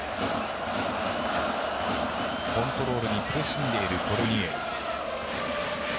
コントロール苦しんでいるコルニエル。